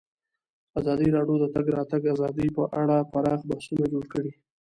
ازادي راډیو د د تګ راتګ ازادي په اړه پراخ بحثونه جوړ کړي.